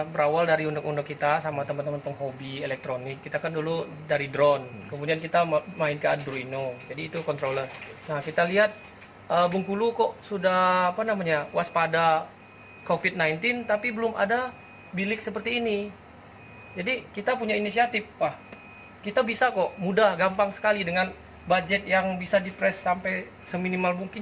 jadi kita punya inisiatif kita bisa kok mudah gampang sekali dengan budget yang bisa dipres sampai seminimal mungkin